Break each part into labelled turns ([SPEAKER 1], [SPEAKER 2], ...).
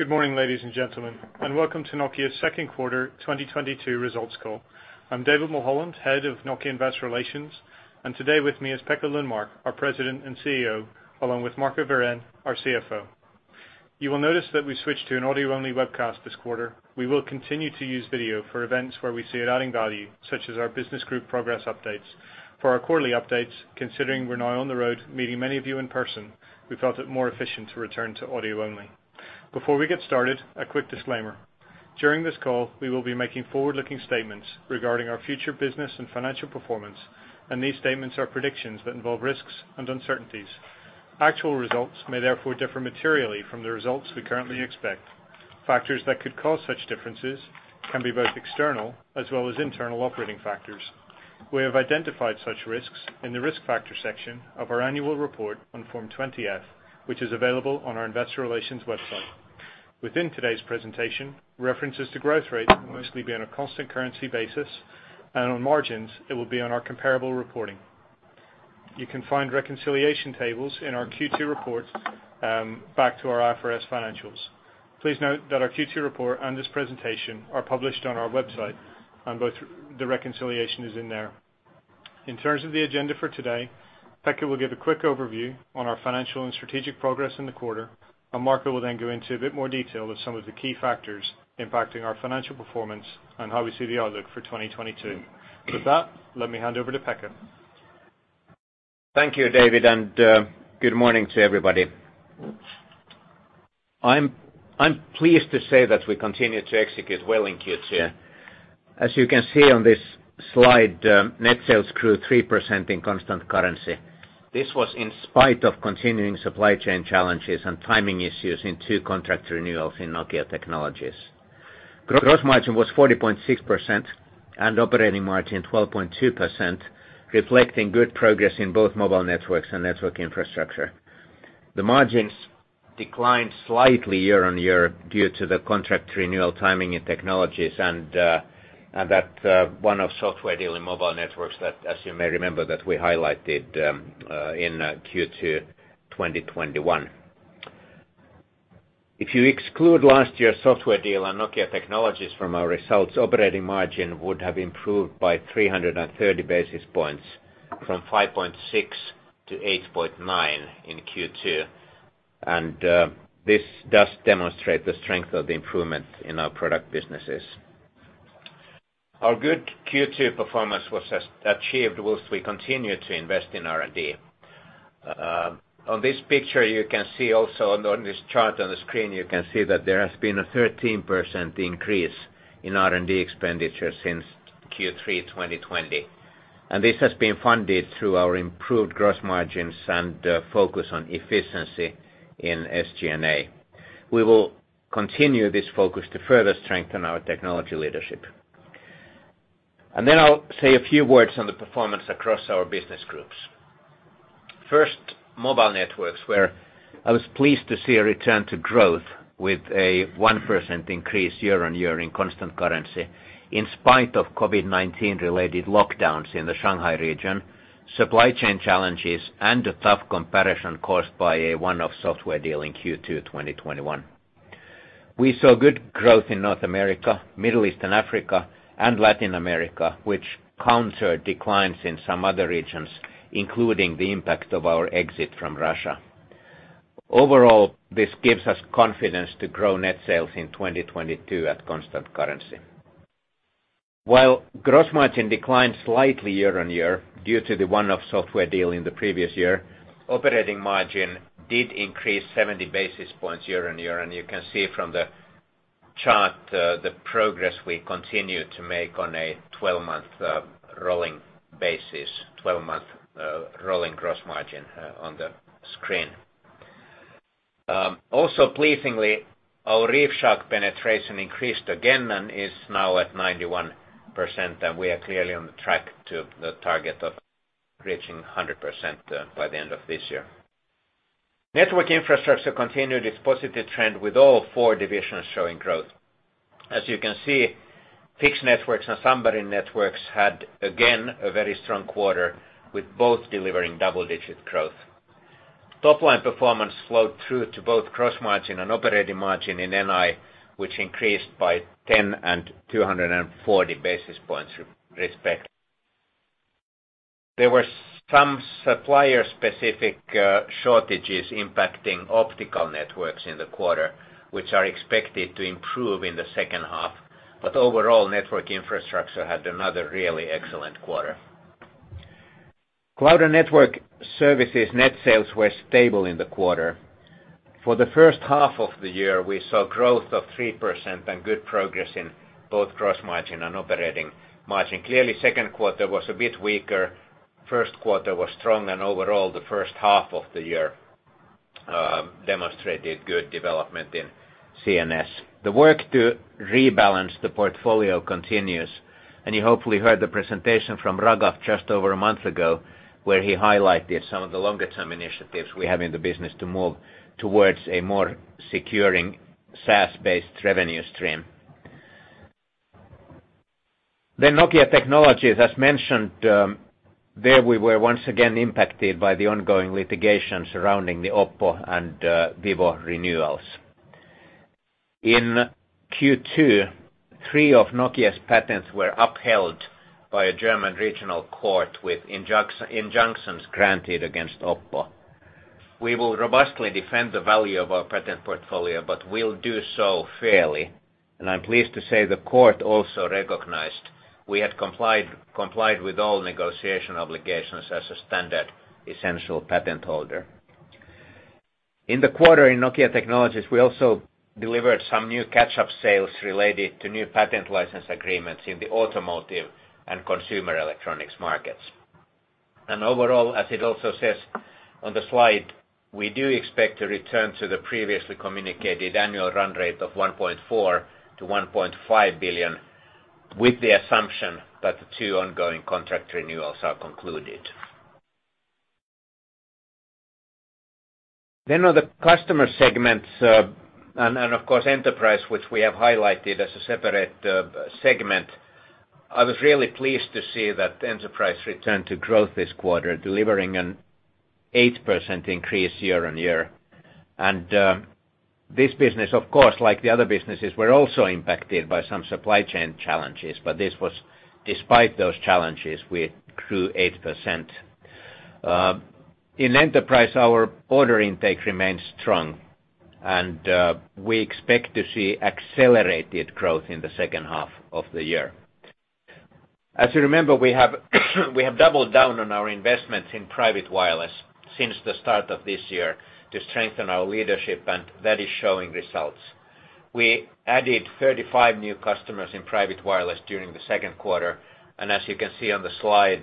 [SPEAKER 1] Good morning, ladies and gentlemen, and welcome to Nokia's second quarter 2022 results call. I'm David Mulholland, Head of Investor Relations, Nokia, and today with me is Pekka Lundmark, our President and CEO, along with Marco Wirén, our CFO. You will notice that we switched to an audio-only webcast this quarter. We will continue to use video for events where we see it adding value, such as our business group progress updates. For our quarterly updates, considering we're now on the road meeting many of you in person, we felt it more efficient to return to audio only. Before we get started, a quick disclaimer. During this call, we will be making forward-looking statements regarding our future business and financial performance, and these statements are predictions that involve risks and uncertainties. Actual results may therefore differ materially from the results we currently expect. Factors that could cause such differences can be both external as well as internal operating factors. We have identified such risks in the risk factor section of our annual report on Form 20-F, which is available on our investor relations website. Within today's presentation, references to growth rate will mostly be on a constant currency basis, and on margins, it will be on our comparable reporting. You can find reconciliation tables in our Q2 report, back to our IFRS financials. Please note that our Q2 report and this presentation are published on our website, and both the reconciliation is in there. In terms of the agenda for today, Pekka will give a quick overview on our financial and strategic progress in the quarter, and Marco will then go into a bit more detail of some of the key factors impacting our financial performance and how we see the outlook for 2022. With that, let me hand over to Pekka.
[SPEAKER 2] Thank you, David, and good morning to everybody. I'm pleased to say that we continue to execute well in Q2. As you can see on this slide, net sales grew 3% in constant currency. This was in spite of continuing supply chain challenges and timing issues in two contract renewals in Nokia Technologies. Gross margin was 40.6% and operating margin 12.2%, reflecting good progress in both Mobile Networks and Network Infrastructure. The margins declined slightly year-on-year due to the contract renewal timing in Technologies and that one-off software deal in Mobile Networks that as you may remember, we highlighted in Q2 2021. If you exclude last year's software deal on Nokia Technologies from our results, operating margin would have improved by 330 basis points from 5.6 to 8.9 in Q2. This does demonstrate the strength of the improvement in our product businesses. Our good Q2 performance was achieved while we continued to invest in R&D. On this chart on the screen, you can see that there has been a 13% increase in R&D expenditure since Q3 2020. This has been funded through our improved gross margins and focus on efficiency in SG&A. We will continue this focus to further strengthen our technology leadership. I'll say a few words on the performance across our business groups. First, Mobile Networks, where I was pleased to see a return to growth with a 1% increase year-on-year in constant currency, in spite of COVID-19 related lockdowns in the Shanghai region, supply chain challenges, and a tough comparison caused by a one-off software deal in Q2 2021. We saw good growth in North America, Middle East and Africa, and Latin America, which counter declines in some other regions, including the impact of our exit from Russia. Overall, this gives us confidence to grow net sales in 2022 at constant currency. While gross margin declined slightly year-on-year due to the one-off software deal in the previous year, operating margin did increase 70 basis points year-on-year. You can see from the chart, the progress we continue to make on a twelve-month rolling basis, twelve-month rolling gross margin on the screen. Also pleasingly, our ReefShark penetration increased again and is now at 91%, and we are clearly on track to the target of reaching 100% by the end of this year. Network Infrastructure continued its positive trend with all four divisions showing growth. As you can see, Fixed Networks and Submarine Networks had again a very strong quarter, with both delivering double-digit growth. Topline performance flowed through to both gross margin and operating margin in NI, which increased by 10 and 240 basis points, respectively. There were some supplier-specific shortages impacting Optical Networks in the quarter, which are expected to improve in the second half. Overall, Network Infrastructure had another really excellent quarter. Cloud and Network Services net sales were stable in the quarter. For the first half of the year, we saw growth of 3% and good progress in both gross margin and operating margin. Clearly, second quarter was a bit weaker. First quarter was strong, and overall, the first half of the year demonstrated good development in CNS. The work to rebalance the portfolio continues, and you hopefully heard the presentation from Raghav just over a month ago, where he highlighted some of the longer-term initiatives we have in the business to move towards a more recurring SaaS-based revenue stream. Nokia Technologies, as mentioned, there we were once again impacted by the ongoing litigation surrounding the Oppo and Vivo renewals. In Q2, three of Nokia's patents were upheld by a German regional court with injunctions granted against Oppo. We will robustly defend the value of our patent portfolio, but we'll do so fairly. I'm pleased to say the court also recognized we had complied with all negotiation obligations as a standard essential patent holder. In the quarter in Nokia Technologies, we also delivered some new catch-up sales related to new patent license agreements in the automotive and consumer electronics markets. Overall, as it also says on the slide, we do expect to return to the previously communicated annual run rate of 1.4-1.5 billion, with the assumption that the two ongoing contract renewals are concluded. On the customer segments, and of course, enterprise, which we have highlighted as a separate segment, I was really pleased to see that enterprise return to growth this quarter, delivering an 8% increase year-on-year. This business, of course, like the other businesses, were also impacted by some supply chain challenges. This was despite those challenges, we grew 8%. In enterprise, our order intake remains strong, and we expect to see accelerated growth in the second half of the year. As you remember, we have doubled down on our investments in private wireless since the start of this year to strengthen our leadership, and that is showing results. We added 35 new customers in private wireless during the second quarter, and as you can see on the slide,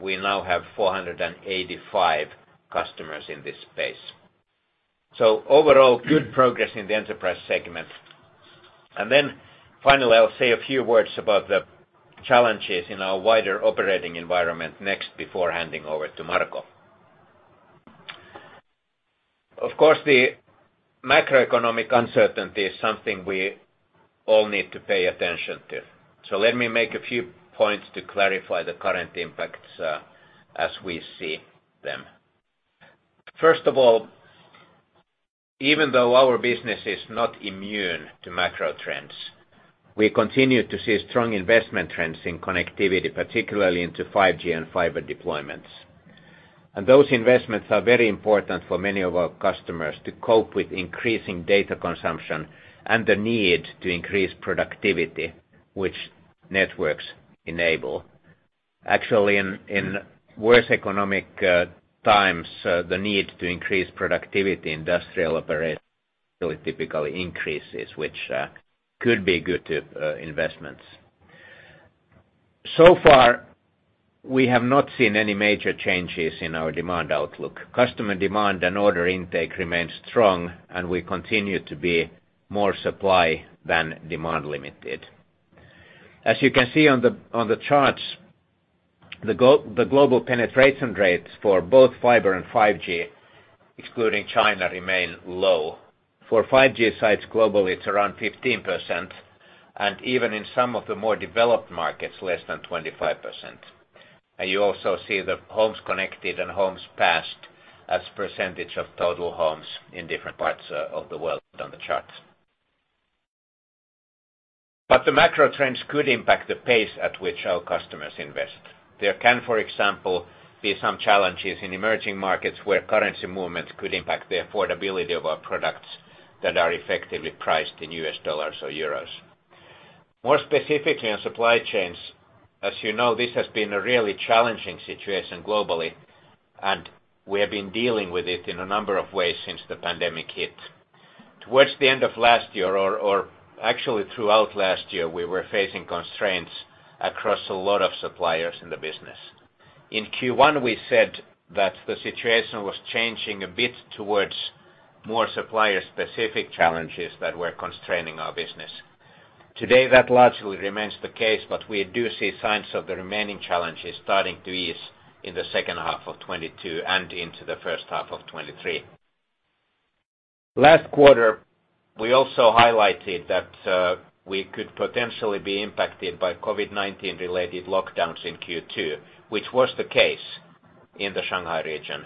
[SPEAKER 2] we now have 485 customers in this space. Overall, good progress in the enterprise segment. Finally, I'll say a few words about the challenges in our wider operating environment next, before handing over to Marco. Of course, the macroeconomic uncertainty is something we all need to pay attention to. Let me make a few points to clarify the current impacts, as we see them. First of all, even though our business is not immune to macro trends, we continue to see strong investment trends in connectivity, particularly into 5G and fiber deployments. Those investments are very important for many of our customers to cope with increasing data consumption and the need to increase productivity, which networks enable. Actually, in worse economic times, the need to increase productivity, industrial operation typically increases, which could be good to investments. So far, we have not seen any major changes in our demand outlook. Customer demand and order intake remains strong, and we continue to be more supply than demand limited. As you can see on the charts, the global penetration rates for both fiber and 5G, excluding China, remain low. For 5G sites globally, it's around 15%, and even in some of the more developed markets, less than 25%. You also see the homes connected and homes passed as percentage of total homes in different parts of the world on the charts. The macro trends could impact the pace at which our customers invest. There can, for example, be some challenges in emerging markets where currency movements could impact the affordability of our products that are effectively priced in US dollars or euros. More specifically on supply chains, as you know, this has been a really challenging situation globally, and we have been dealing with it in a number of ways since the pandemic hit. Towards the end of last year, or actually throughout last year, we were facing constraints across a lot of suppliers in the business. In Q1, we said that the situation was changing a bit towards more supplier-specific challenges that were constraining our business. Today, that largely remains the case, but we do see signs of the remaining challenges starting to ease in the second half of 2022 and into the first half of 2023. Last quarter, we also highlighted that we could potentially be impacted by COVID-19 related lockdowns in Q2, which was the case in the Shanghai region.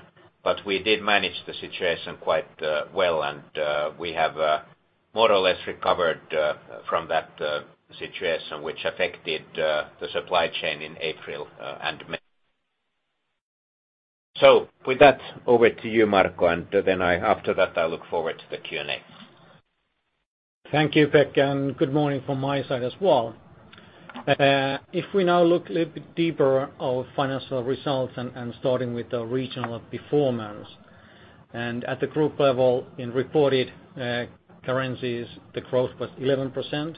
[SPEAKER 2] We did manage the situation quite well, and we have more or less recovered from that situation which affected the supply chain in April and May. With that, over to you, Marco, and then, after that, I look forward to the Q&A.
[SPEAKER 3] Thank you, Pekka, and good morning from my side as well. If we now look a little bit deeper at our financial results and starting with the regional performance. At the group level, in reported currencies, the growth was 11%.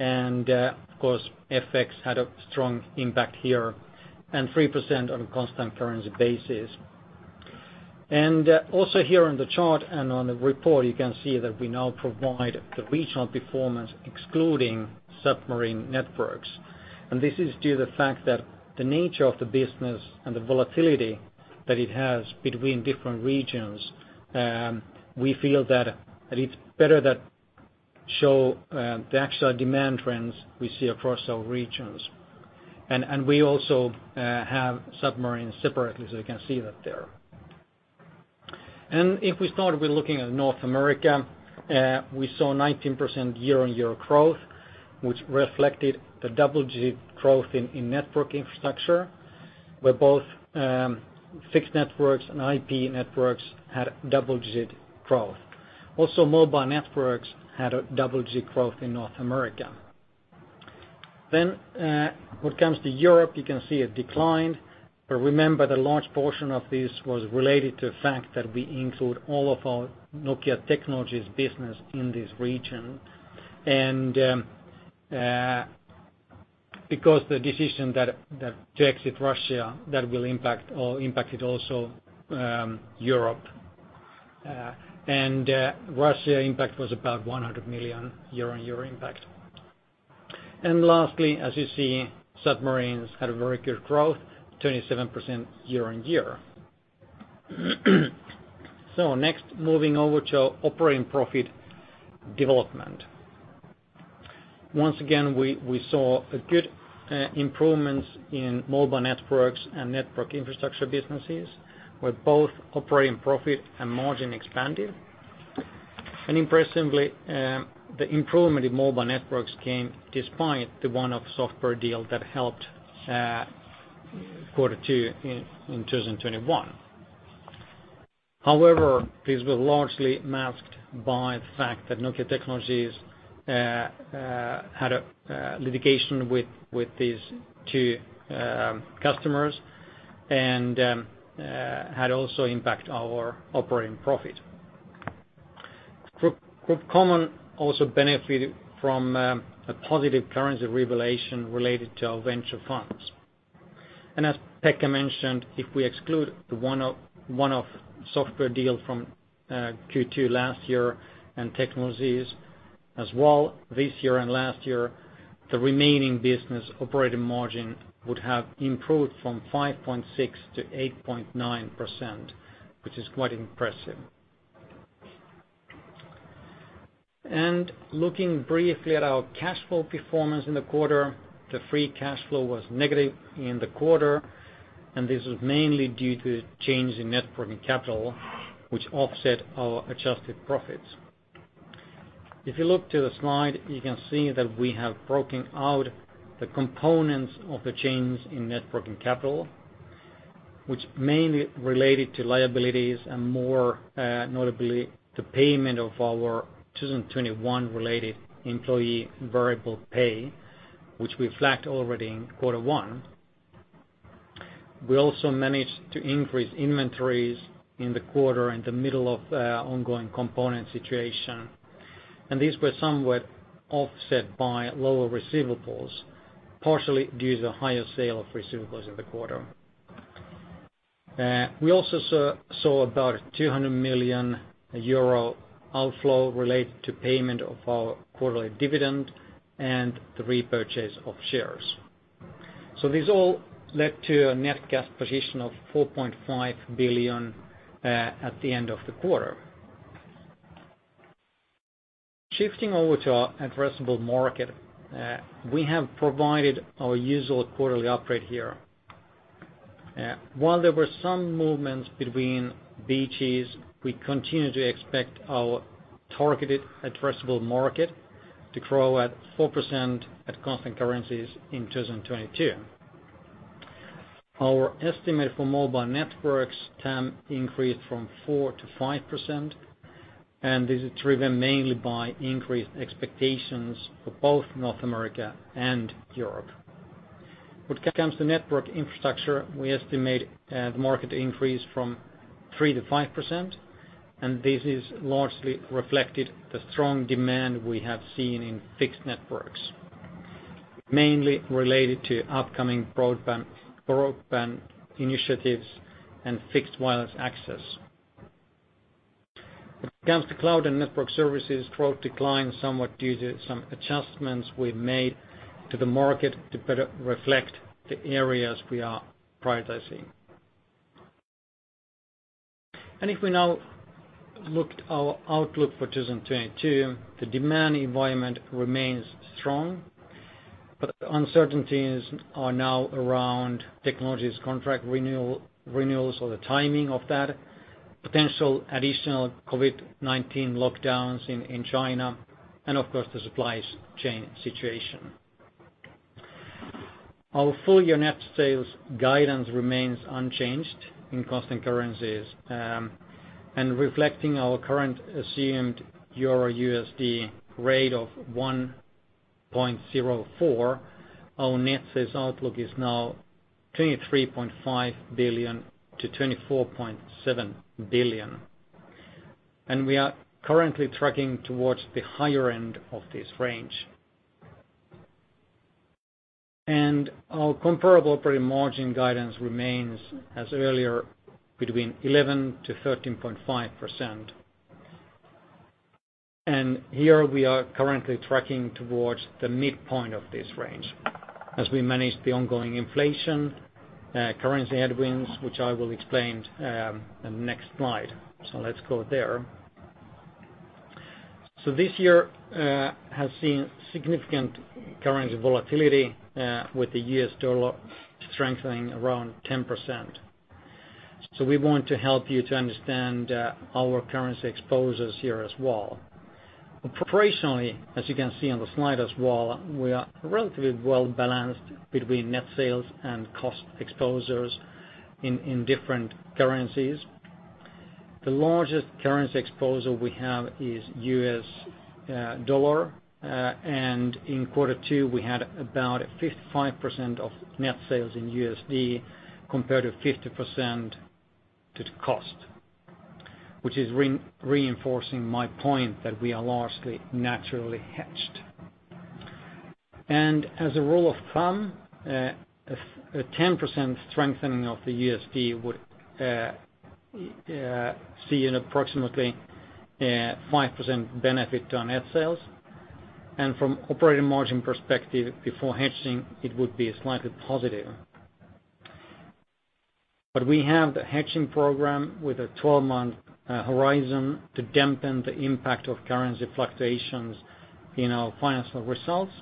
[SPEAKER 3] Of course, FX had a strong impact here, and 3% on a constant currency basis. Also here on the chart and on the report, you can see that we now provide the regional performance excluding submarine networks. This is due to the fact that the nature of the business and the volatility that it has between different regions, we feel that it's better to show the actual demand trends we see across our regions. We also have submarines separately, so you can see that there. If we start with looking at North America, we saw 19% year-over-year growth, which reflected the double-digit growth in Network Infrastructure, where both Fixed Networks and IP Networks had double-digit growth. Also, Mobile Networks had a double-digit growth in North America. When it comes to Europe, you can see a decline. Remember the large portion of this was related to the fact that we include all of our Nokia Technologies business in this region. Because the decision to exit Russia that will impact or impacted also Europe. Russia impact was about 100 million euro year-over-year impact. Lastly, as you see, submarines had a very good growth, 27% year-over-year. Next, moving over to operating profit development. Once again, we saw a good improvements in Mobile Networks and Network Infrastructure businesses, where both operating profit and margin expanded. Impressively, the improvement in Mobile Networks came despite the one-off software deal that helped quarter two in 2021. However, these were largely masked by the fact that Nokia Technologies had a litigation with these two customers, and had also impact our operating profit. Group Common also benefited from a positive currency revaluation related to our venture funds. As Pekka mentioned, if we exclude the one-off software deal from Q2 last year and technologies as well this year and last year, the remaining business operating margin would have improved from 5.6% to 8.9%, which is quite impressive. Looking briefly at our cash flow performance in the quarter, the free cash flow was negative in the quarter, and this was mainly due to change in net working capital, which offset our adjusted profits. If you look to the slide, you can see that we have broken out the components of the change in net working capital, which mainly related to liabilities and more, notably the payment of our 2021 related employee variable pay, which we flagged already in quarter one. We also managed to increase inventories in the quarter in the middle of the ongoing component situation. These were somewhat offset by lower receivables, partially due to higher sale of receivables in the quarter. We also saw about 200 million euro outflow related to payment of our quarterly dividend and the repurchase of shares. These all led to a net cash position of 4.5 billion at the end of the quarter. Shifting over to our addressable market, we have provided our usual quarterly upgrade here. While there were some movements between businesses, we continue to expect our targeted addressable market to grow at 4% at constant currencies in 2022. Our estimate for Mobile Networks has increased from 4% to 5%, and this is driven mainly by increased expectations for both North America and Europe. When it comes to Network Infrastructure, we estimate the market increase from 3% to 5%, and this is largely reflected the strong demand we have seen in Fixed Networks, mainly related to upcoming broadband initiatives and fixed wireless access. When it comes to Cloud and Network Services, growth declined somewhat due to some adjustments we've made to the market to better reflect the areas we are prioritizing. If we now look at our outlook for 2022, the demand environment remains strong, but uncertainties are now around technology contract renewals or the timing of that, potential additional COVID-19 lockdowns in China, and of course, the supply chain situation. Our full year net sales guidance remains unchanged in constant currencies. Reflecting our current assumed EUR-USD rate of 1.04, our net sales outlook is now 23.5 billion-24.7 billion. We are currently tracking towards the higher end of this range. Our comparable operating margin guidance remains as earlier between 11%-13.5%. Here we are currently tracking towards the midpoint of this range as we manage the ongoing inflation, currency headwinds, which I will explain in the next slide. Let's go there. This year has seen significant currency volatility with the US dollar strengthening around 10%. We want to help you to understand our currency exposures here as well. Operationally, as you can see on the slide as well, we are relatively well-balanced between net sales and cost exposures in different currencies. The largest currency exposure we have is US dollar. In quarter two, we had about 55% of net sales in USD compared to 50% of the cost, which is reinforcing my point that we are largely naturally hedged. As a rule of thumb, a 10% strengthening of the USD would see an approximately 5% benefit to our net sales. From operating margin perspective before hedging, it would be slightly positive. We have the hedging program with a 12-month horizon to dampen the impact of currency fluctuations in our financial results.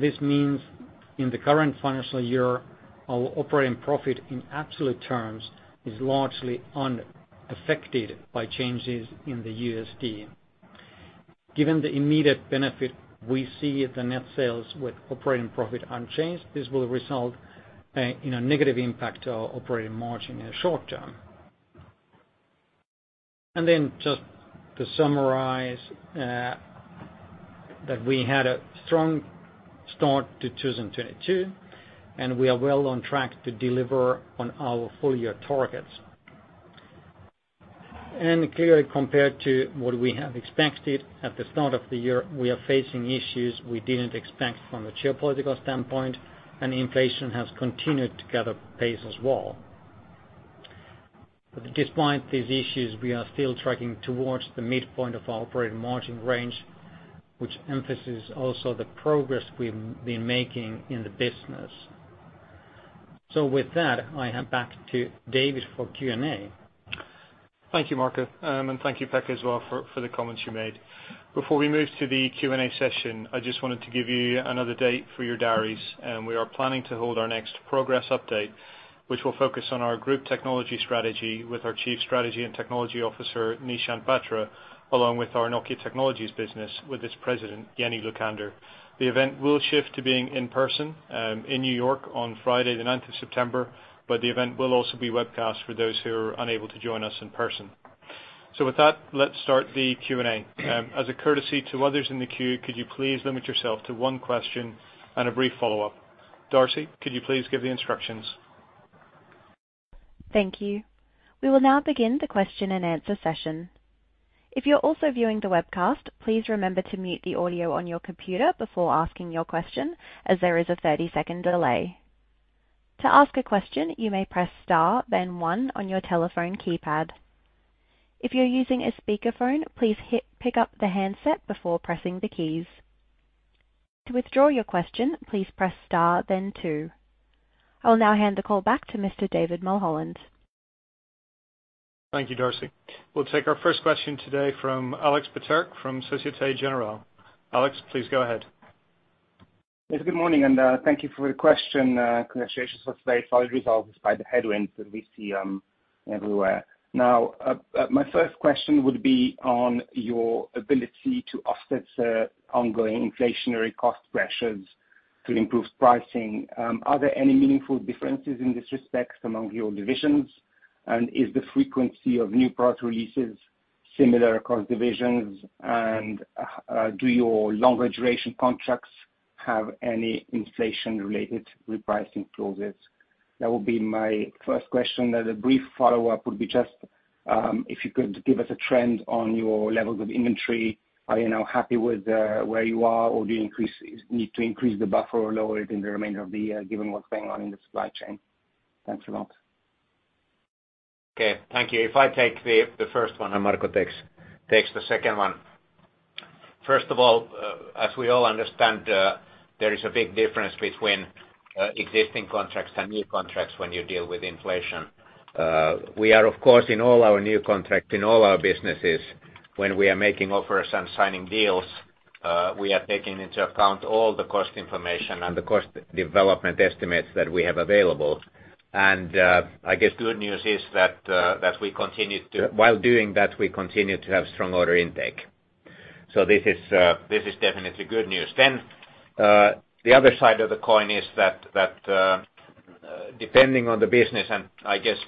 [SPEAKER 3] This means in the current financial year, our operating profit in absolute terms is largely unaffected by changes in the USD. Given the immediate benefit we see at the net sales with operating profit unchanged, this will result in a negative impact to our operating margin in the short term. Then just to summarize, that we had a strong start to 2022, and we are well on track to deliver on our full year targets. Clearly, compared to what we have expected at the start of the year, we are facing issues we didn't expect from a geopolitical standpoint, and inflation has continued to gather pace as well. Despite these issues, we are still tracking towards the midpoint of our operating margin range, which emphasizes also the progress we've been making in the business. With that, I hand back to David for Q&A.
[SPEAKER 1] Thank you, Marco. And thank you, Pekka, as well for the comments you made. Before we move to the Q&A session, I just wanted to give you another date for your diaries. We are planning to hold our next progress update, which will focus on our group technology strategy with our Chief Strategy and Technology Officer, Nishant Batra, along with our Nokia Technologies business, with its President, Jenni Lukander. The event will shift to being in person in New York on Friday the ninth of September, but the event will also be webcast for those who are unable to join us in person. With that, let's start the Q&A. As a courtesy to others in the queue, could you please limit yourself to one question and a brief follow-up? Darcy, could you please give the instructions?
[SPEAKER 4] Thank you. We will now begin the question-and-answer session. If you're also viewing the webcast, please remember to mute the audio on your computer before asking your question as there is a 30-second delay. To ask a question, you may press star then one on your telephone keypad. If you're using a speakerphone, please pick up the handset before pressing the keys. To withdraw your question, please press star then two. I will now hand the call back to Mr. David Mulholland.
[SPEAKER 1] Thank you, Darcy. We'll take our first question today from Aleksander Peterc from Société Générale. Alex, please go ahead.
[SPEAKER 5] Yes, good morning, and thank you for the question. Congratulations for today's solid results despite the headwinds that we see everywhere. Now, my first question would be on your ability to offset the ongoing inflationary cost pressures to improve pricing. Are there any meaningful differences in this respect among your divisions? Is the frequency of new product releases similar across divisions? Do your longer duration contracts have any inflation-related repricing clauses? That would be my first question. Then a brief follow-up would be just if you could give us a trend on your levels of inventory. Are you now happy with where you are, or do you need to increase the buffer or lower it in the remainder of the year given what's going on in the supply chain? Thanks a lot.
[SPEAKER 3] Okay. Thank you. If I take the first one and Marco takes the second one. First of all, as we all understand, there is a big difference between existing contracts and new contracts when you deal with inflation. We are, of course, in all our new contracts, in all our businesses, when we are making offers and signing deals, taking into account all the cost information and the cost development estimates that we have available. I guess good news is that, while doing that, we continue to have strong order intake. This is definitely good news. The other side of the coin is that, depending on the business, and I guess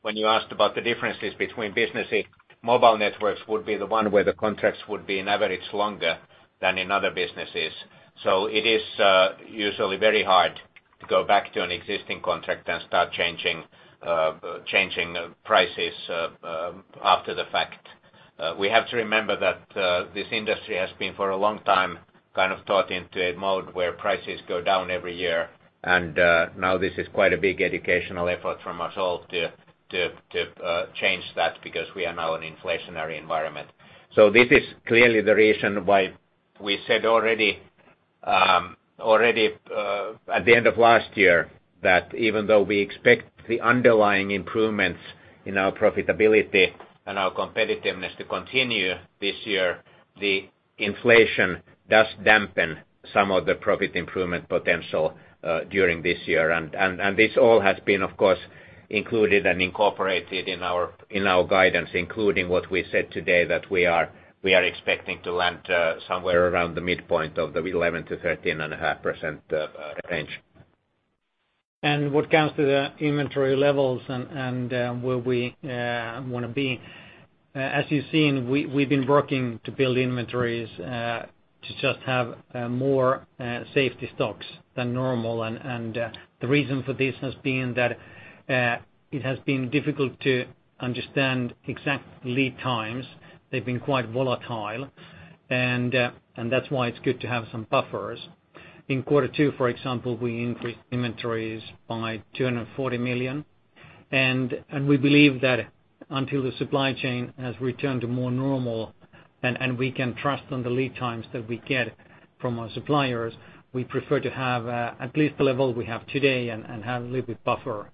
[SPEAKER 3] when you asked about the differences between businesses, Mobile Networks would be the one where the contracts would be on average longer than in other businesses. It is usually very hard to go back to an existing contract and start changing prices after the fact. We have to remember that this industry has been, for a long time, kind of taught into a mode where prices go down every year. Now this is quite a big educational effort from us all to change that because we are now in an inflationary environment. This is clearly the reason why we said already.
[SPEAKER 2] Already, at the end of last year, that even though we expect the underlying improvements in our profitability and our competitiveness to continue this year, the inflation does dampen some of the profit improvement potential during this year. This all has been, of course, included and incorporated in our guidance, including what we said today, that we are expecting to land somewhere around the midpoint of the 11%-13.5% range.
[SPEAKER 3] What comes to the inventory levels and where we wanna be, as you've seen, we've been working to build inventories to just have more safety stocks than normal. The reason for this has been that it has been difficult to understand exact lead times. They've been quite volatile. That's why it's good to have some buffers. In quarter two, for example, we increased inventories by 240 million. We believe that until the supply chain has returned to more normal and we can trust on the lead times that we get from our suppliers, we prefer to have at least the level we have today and have a little bit buffer.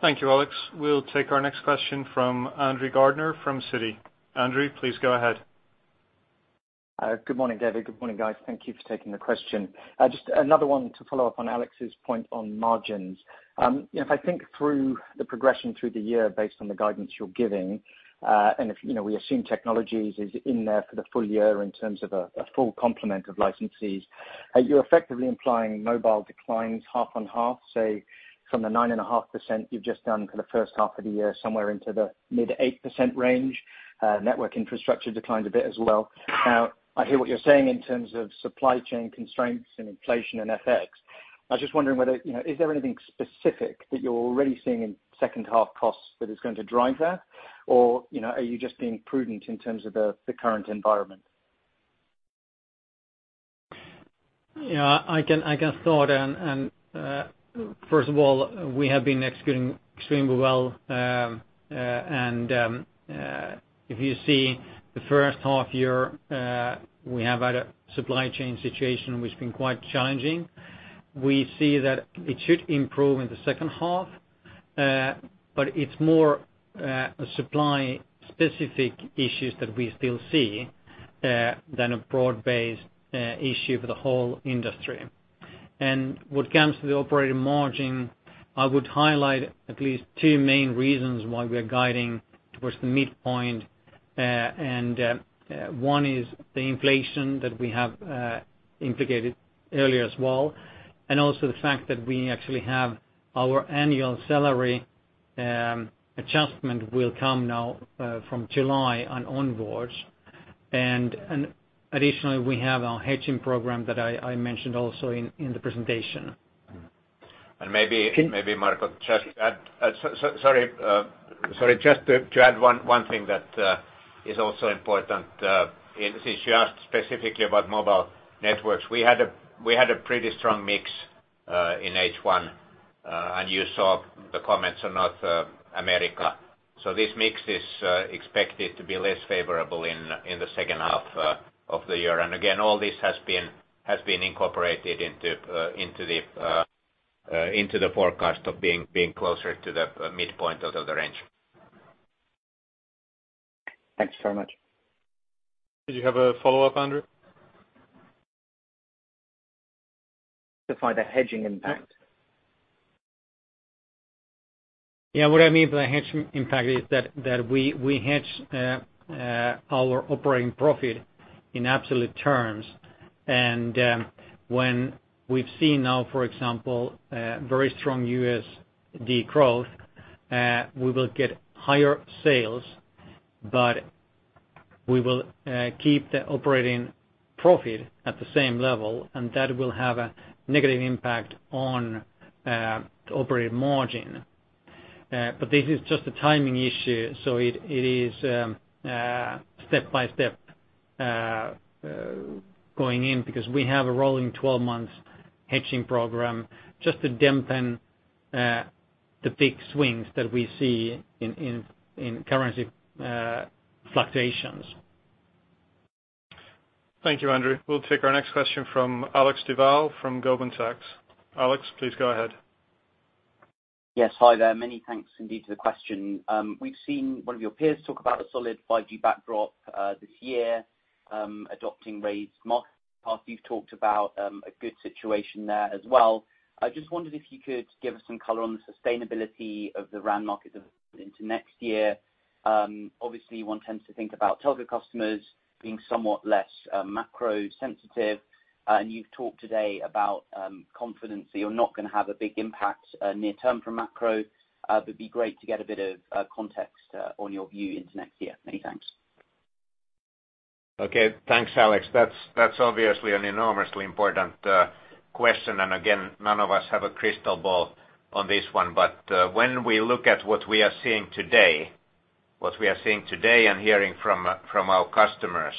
[SPEAKER 1] Thank you, Alex. We'll take our next question from Andrew Gardiner from Citi. Andrew, please go ahead.
[SPEAKER 6] Good morning, David. Good morning, guys. Thank you for taking the question. Just another one to follow up on Alex's point on margins. You know, if I think through the progression through the year based on the guidance you're giving, and if, you know, we assume technologies is in there for the full year in terms of a full complement of licensees, are you effectively implying mobile declines half on half, say from the 9.5% you've just done for the first half of the year, somewhere into the mid-8% range? Network infrastructure declined a bit as well. Now, I hear what you're saying in terms of supply chain constraints and inflation and FX. I was just wondering whether, you know, is there anything specific that you're already seeing in second half costs that is going to drive that? you know, are you just being prudent in terms of the current environment?
[SPEAKER 3] Yeah, I can start. First of all, we have been executing extremely well. If you see the first half year, we have had a supply chain situation which has been quite challenging. We see that it should improve in the second half, but it's more supply specific issues that we still see than a broad-based issue for the whole industry. What comes to the operating margin, I would highlight at least two main reasons why we are guiding towards the midpoint. One is the inflation that we have indicated earlier as well, and also the fact that we actually have our annual salary adjustment will come now from July and onwards. Additionally, we have our hedging program that I mentioned also in the presentation.
[SPEAKER 2] Sorry, just to add one thing that is also important is since you asked specifically about Mobile Networks. We had a pretty strong mix in H1, and you saw the comments on North America. This mix is expected to be less favorable in the second half of the year. Again, all this has been incorporated into the forecast of being closer to the midpoint of the range.
[SPEAKER 6] Thanks very much.
[SPEAKER 1] Did you have a follow-up, Andrew?
[SPEAKER 6] To find the hedging impact.
[SPEAKER 3] Yeah, what I mean by the hedge impact is that we hedge our operating profit in absolute terms. When we've seen now, for example, very strong USD growth, we will get higher sales, but we will keep the operating profit at the same level, and that will have a negative impact on the operating margin. This is just a timing issue, so it is step-by-step going in because we have a rolling twelve months hedging program just to dampen the big swings that we see in currency fluctuations.
[SPEAKER 1] Thank you, Andrew. We'll take our next question from Alexander Duval from Goldman Sachs. Alex, please go ahead.
[SPEAKER 7] Yes. Hi there. Many thanks indeed for the question. We've seen one of your peers talk about a solid 5G backdrop, this year, adopting raised TAM. You've talked about a good situation there as well. I just wondered if you could give us some color on the sustainability of the RAN market into next year. Obviously one tends to think about telco customers being somewhat less macro sensitive. You've talked today about confidence that you're not gonna have a big impact, near term from macro. It'd be great to get a bit of context on your view into next year. Many thanks.
[SPEAKER 2] Okay. Thanks, Alex. That's obviously an enormously important question. Again, none of us have a crystal ball on this one. When we look at what we are seeing today and hearing from our customers,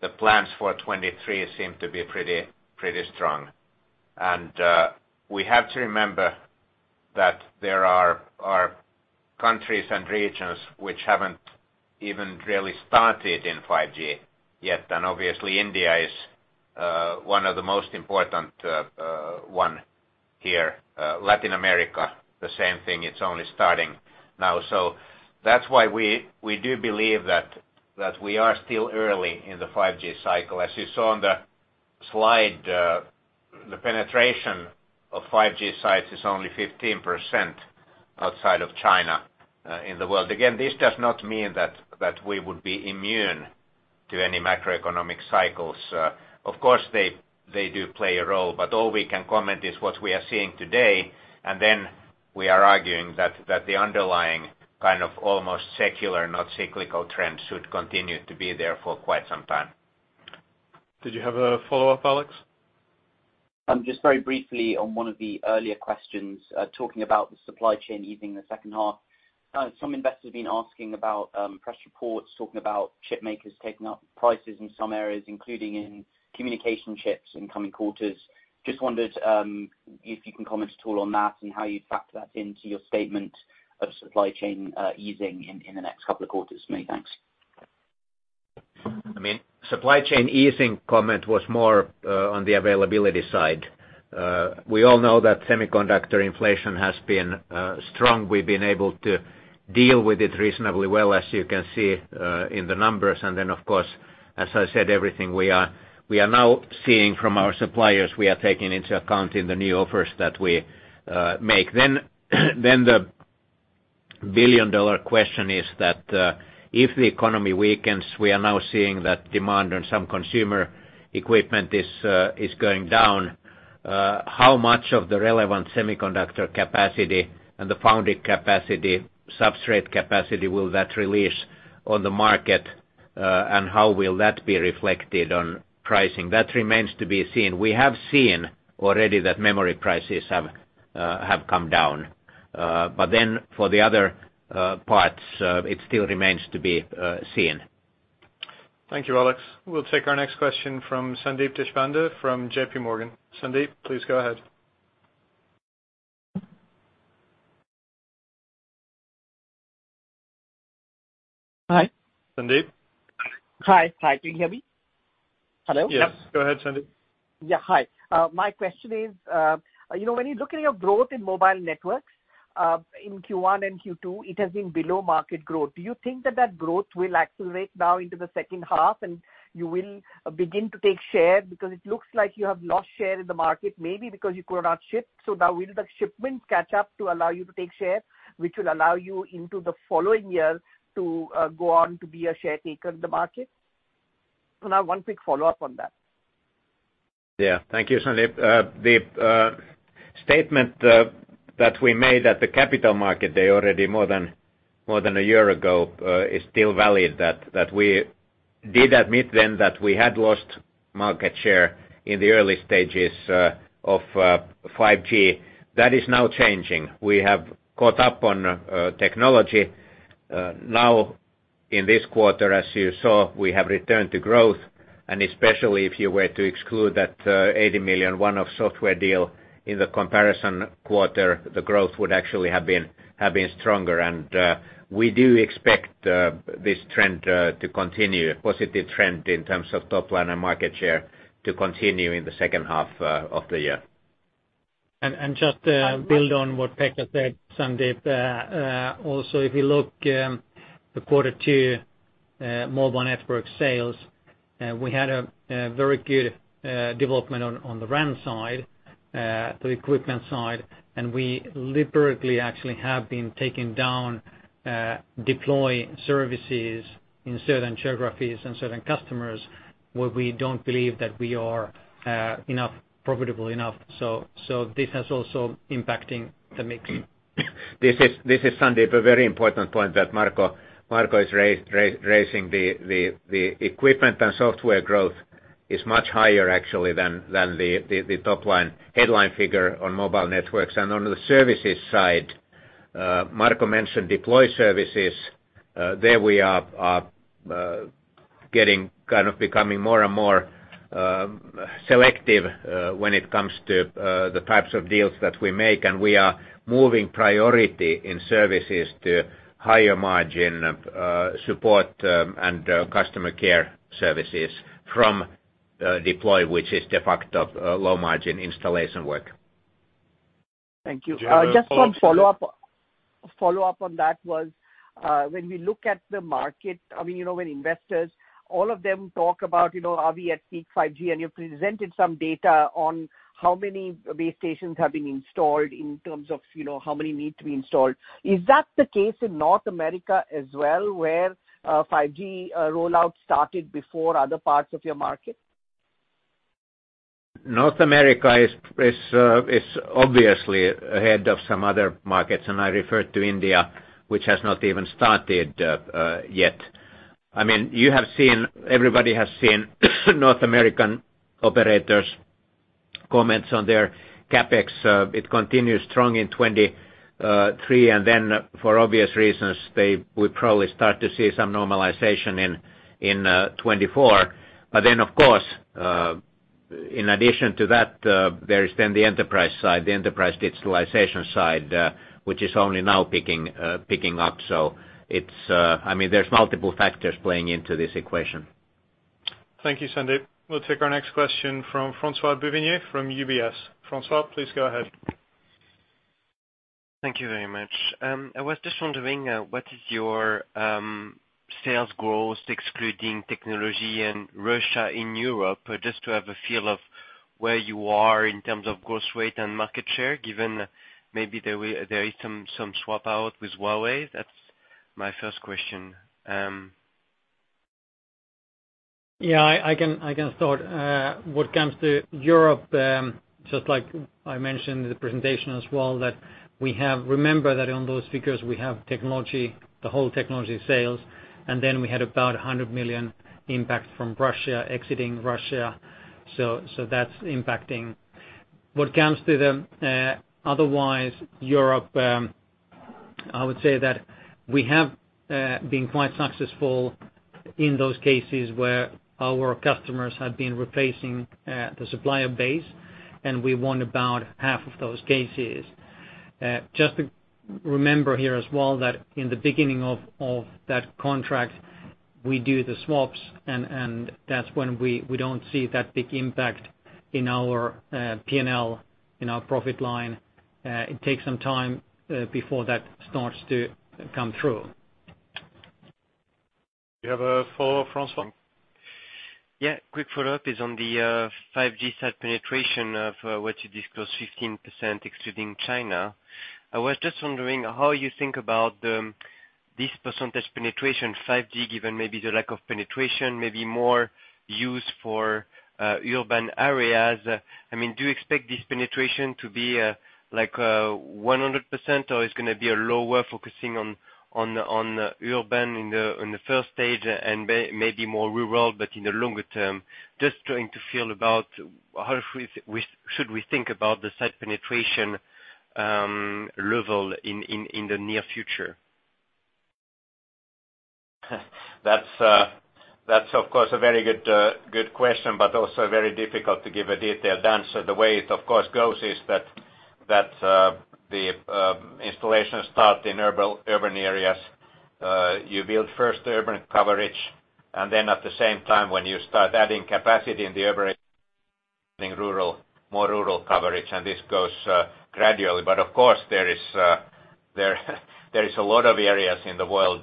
[SPEAKER 2] the plans for 2023 seem to be pretty strong. We have to remember that there are countries and regions which haven't even really started in 5G yet. Obviously India is one of the most important one here. Latin America, the same thing. It's only starting now. That's why we do believe that we are still early in the 5G cycle. As you saw on the slide, the penetration of 5G sites is only 15% outside of China in the world. Again, this does not mean that we would be immune to any macroeconomic cycles. Of course they do play a role, but all we can comment is what we are seeing today, and then we are arguing that the underlying kind of almost secular, not cyclical trend should continue to be there for quite some time.
[SPEAKER 1] Did you have a follow-up, Alex?
[SPEAKER 7] Just very briefly on one of the earlier questions, talking about the supply chain easing in the second half. Some investors have been asking about press reports talking about chip makers taking up prices in some areas, including in communication chips in coming quarters. Just wondered if you can comment at all on that and how you factor that into your statement of supply chain easing in the next couple of quarters. Maybe. Thanks.
[SPEAKER 2] I mean, supply chain easing comment was more on the availability side. We all know that semiconductor inflation has been strong. We've been able to deal with it reasonably well, as you can see in the numbers. Then of course, as I said, everything we are now seeing from our suppliers, we are taking into account in the new offers that we make. Then the billion-dollar question is that if the economy weakens, we are now seeing that demand on some consumer equipment is going down. How much of the relevant semiconductor capacity and the foundry capacity, substrate capacity will that release on the market, and how will that be reflected on pricing? That remains to be seen. We have seen already that memory prices have come down. For the other parts, it still remains to be seen.
[SPEAKER 1] Thank you, Alex. We'll take our next question from Sandeep Deshpande from J.P. Morgan. Sandeep, please go ahead.
[SPEAKER 8] Hi.
[SPEAKER 1] Sandeep?
[SPEAKER 8] Hi. Hi. Can you hear me? Hello?
[SPEAKER 1] Yes. Go ahead, Sandeep.
[SPEAKER 8] Yeah. Hi. My question is, you know, when you look at your growth in Mobile Networks, in Q1 and Q2, it has been below market growth. Do you think that growth will accelerate now into the second half, and you will begin to take share? Because it looks like you have lost share in the market, maybe because you could not ship. So now will the shipment catch up to allow you to take share, which will allow you into the following years to go on to be a share taker in the market? I have one quick follow-up on that.
[SPEAKER 2] Yeah. Thank you, Sandeep. The statement that we made at the Capital Markets Day already more than a year ago is still valid that we did admit then that we had lost market share in the early stages of 5G. That is now changing. We have caught up on technology. Now in this quarter, as you saw, we have returned to growth, and especially if you were to exclude that 80 million one-off software deal in the comparison quarter, the growth would actually have been stronger. We do expect this trend to continue, a positive trend in terms of top line and market share to continue in the second half of the year.
[SPEAKER 3] Just build on what Pekka said, Sandeep. Also, if you look at the quarter two mobile network sales, we had a very good development on the RAN side, the equipment side, and we deliberately actually have been taking down deployment services in certain geographies and certain customers where we don't believe that we are profitable enough. This has also impacted the mix.
[SPEAKER 2] This is Sandeep, a very important point that Marco is raising. The equipment and software growth is much higher actually than the top line headline figure on Mobile Networks. On the services side, Marco mentioned deploy services. There we are getting kind of becoming more and more selective when it comes to the types of deals that we make. We are moving priority in services to higher margin support and customer care services from deploy, which is de facto low margin installation work.
[SPEAKER 8] Thank you.
[SPEAKER 1] Do you have a follow-up, Sandeep?
[SPEAKER 8] Just one follow up on that, when we look at the market, I mean, you know, when investors, all of them talk about, you know, are we at peak 5G? You've presented some data on how many base stations have been installed in terms of, you know, how many need to be installed. Is that the case in North America as well, where 5G rollout started before other parts of your market?
[SPEAKER 2] North America is obviously ahead of some other markets, and I refer to India, which has not even started yet. I mean, you have seen, everybody has seen North American operators' comments on their CapEx. It continues strong in 2023, and then for obvious reasons, they will probably start to see some normalization in 2024. In addition to that, there is then the enterprise side, the enterprise digitalization side, which is only now picking up. It is, I mean, there are multiple factors playing into this equation.
[SPEAKER 1] Thank you, Sandeep. We'll take our next question from François-Xavier Bouvignies from UBS. François, please go ahead.
[SPEAKER 9] Thank you very much. I was just wondering what is your sales growth excluding technology in Russia, in Europe, just to have a feel of where you are in terms of growth rate and market share, given maybe there is some swap out with Huawei? That's my first question.
[SPEAKER 2] Yeah, I can start. What comes to Europe, just like I mentioned in the presentation as well, that we have, remember that on those figures we have technology, the whole technology sales, and then we had about 100 million impact from Russia, exiting Russia. That's impacting. What comes to otherwise Europe, I would say that we have been quite successful in those cases where our customers have been replacing the supplier base, and we won about half of those cases. Just to remember here as well that in the beginning of that contract we do the swaps and that's when we don't see that big impact in our PNL, in our profit line. It takes some time before that starts to come through.
[SPEAKER 1] You have a follow-up, François?
[SPEAKER 9] Yeah. Quick follow-up is on the 5G site penetration of what you disclosed, 15% excluding China. I was just wondering how you think about this percentage penetration, 5G, given maybe the lack of penetration, maybe more use for urban areas. I mean, do you expect this penetration to be like 100%, or it's gonna be a lower focusing on urban in the first stage and maybe more rural, but in the longer term? Just trying to feel about how should we think about the site penetration level in the near future.
[SPEAKER 2] That's of course a very good question, but also very difficult to give a detailed answer. The way it of course goes is that the installations start in urban areas. You build first the urban coverage, and then at the same time, when you start adding capacity in the urban, in more rural coverage, and this goes gradually. Of course there is a lot of areas in the world,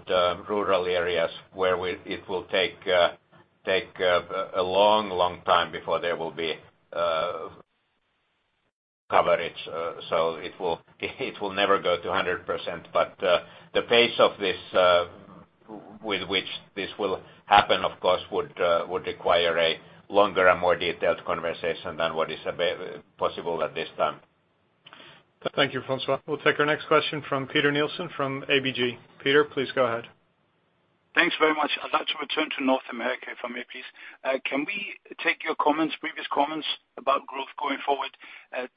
[SPEAKER 2] rural areas where it will take a long time before there will be coverage. It will never go to 100%. The pace of this with which this will happen, of course, would require a longer and more detailed conversation than what is possible at this time.
[SPEAKER 1] Thank you, François. We'll take our next question from Peter Nielsen from ABG. Peter, please go ahead.
[SPEAKER 10] Thanks very much. I'd like to return to North America for me, please. Can we take your comments, previous comments about growth going forward,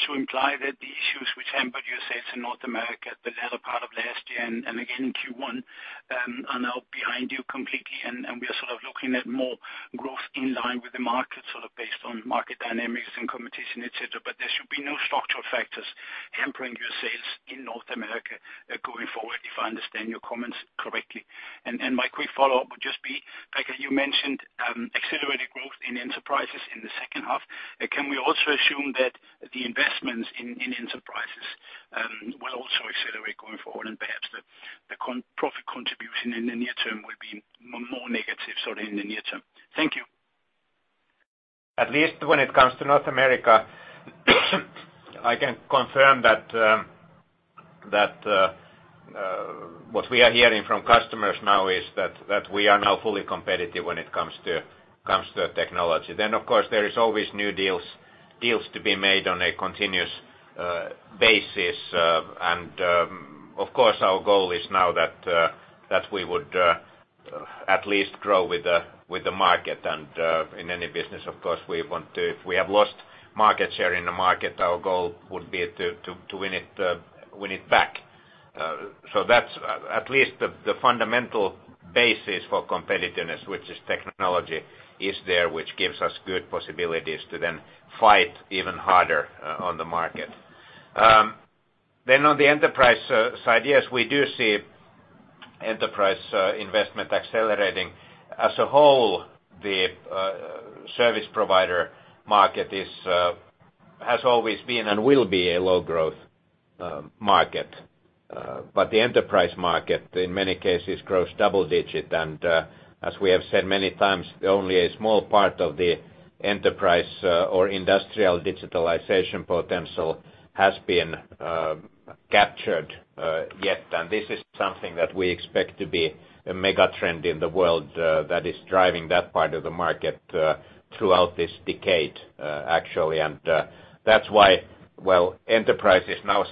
[SPEAKER 10] to imply that the issues which hampered your sales in North America the latter part of last year and again in Q1, are now behind you completely, and we are sort of looking at more growth in line with the market, sort of based on market dynamics and competition, et cetera? But there should be no structural factors hampering your sales in North America, going forward, if I understand your comments correctly. My quick follow-up would just be, like you mentioned, accelerated growth in enterprises in the second half. Can we also assume that the investments in enterprises will also accelerate going forward? Perhaps the non-profit contribution in the near term will be more negative? Thank you.
[SPEAKER 2] At least when it comes to North America, I can confirm that what we are hearing from customers now is that we are now fully competitive when it comes to technology. Of course, there is always new deals to be made on a continuous basis. Of course our goal is now that we would at least grow with the market. In any business, of course, we want to. If we have lost market share in the market, our goal would be to win it back. That's at least the fundamental basis for competitiveness, which is technology is there, which gives us good possibilities to then fight even harder on the market. On the enterprise side, yes, we do see enterprise investment accelerating. As a whole, the service provider market has always been and will be a low-growth market. The enterprise market, in many cases, grows double-digit. As we have said many times, only a small part of the enterprise or industrial digitalization potential has been captured yet. This is something that we expect to be a mega trend in the world that is driving that part of the market throughout this decade, actually. That's why, while enterprise is now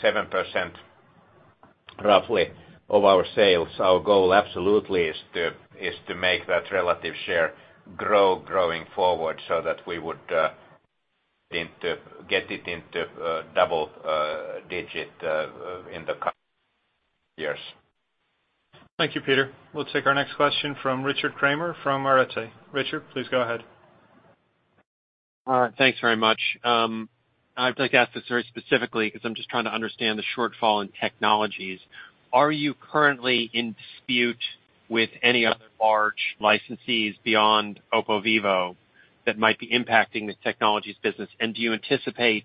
[SPEAKER 2] roughly 7% of our sales, our goal absolutely is to make that relative share growing forward so that we would get it into double-digit in the coming years.
[SPEAKER 1] Thank you, Peter. We'll take our next question from Richard Kramer from Arete. Richard, please go ahead.
[SPEAKER 11] All right, thanks very much. I'd like to ask this very specifically because I'm just trying to understand the shortfall in technologies. Are you currently in dispute with any other large licensees beyond Oppo and Vivo that might be impacting the technologies business? And do you anticipate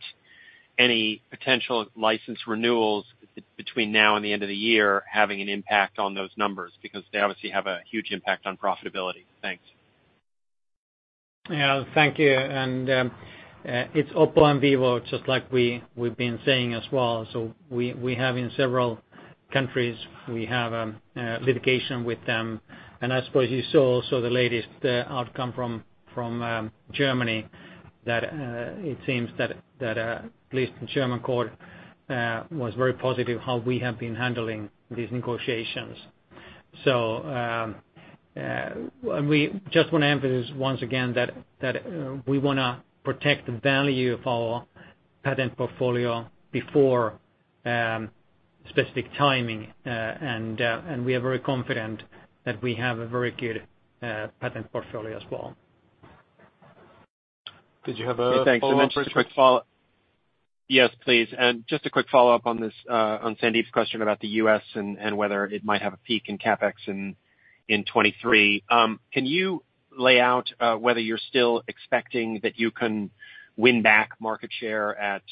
[SPEAKER 11] any potential license renewals between now and the end of the year having an impact on those numbers? Because they obviously have a huge impact on profitability. Thanks.
[SPEAKER 3] Yeah, thank you. It's Oppo and Vivo, just like we've been saying as well. We have in several countries litigation with them. I suppose you saw also the latest outcome from Germany that it seems that at least the German court was very positive how we have been handling these negotiations. We just want to emphasize once again that we wanna protect the value of our patent portfolio before specific timing. We are very confident that we have a very good patent portfolio as well.
[SPEAKER 1] Did you have a follow-up, Richard?
[SPEAKER 11] Yes, please. Just a quick follow-up on this, on Sandeep's question about the U.S. and whether it might have a peak in CapEx in 2023. Can you lay out whether you're still expecting that you can win back market share at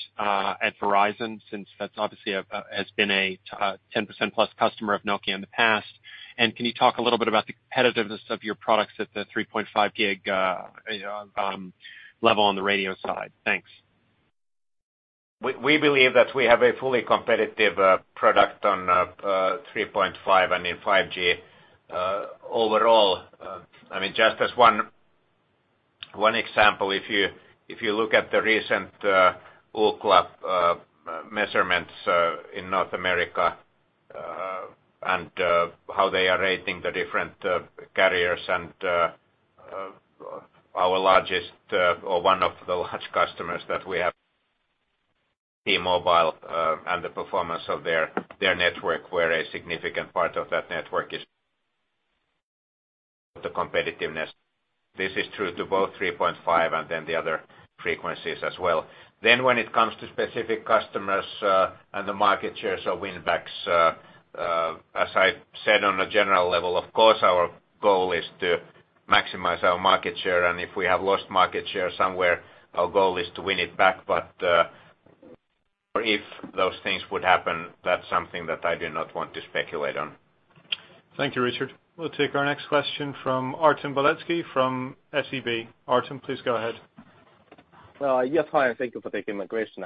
[SPEAKER 11] Verizon, since that's obviously has been a 10% plus customer of Nokia in the past? And can you talk a little bit about the competitiveness of your products at the 3.5 GHz you know level on the radio side? Thanks.
[SPEAKER 2] We believe that we have a fully competitive product on 3.5 and in 5G overall. I mean, just as one example, if you look at the recent Ookla measurements in North America and how they are rating the different carriers and our largest or one of the large customers that we have, T-Mobile, and the performance of their network, where a significant part of that network is the competitiveness. This is true to both 3.5 and then the other frequencies as well. When it comes to specific customers and the market shares or win backs, as I said, on a general level, of course, our goal is to maximize our market share. If we have lost market share somewhere, our goal is to win it back. If those things would happen, that's something that I do not want to speculate on.
[SPEAKER 1] Thank you, Richard. We'll take our next question from Artem Beletski, from SEB. Artem, please go ahead.
[SPEAKER 12] Yes. Hi, and thank you for taking my question.